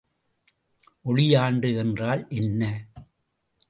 ஒளியாண்டு என்றால் என்ன?